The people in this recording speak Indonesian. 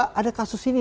saya mau ke kasus ini